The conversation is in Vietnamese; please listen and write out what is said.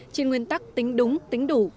trên nguyên tắc tính đúng tính đủ